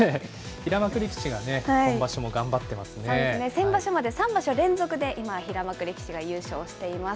平幕力士がね、今場所も頑張って先場所まで３場所連続で、今は平幕力士が優勝しています。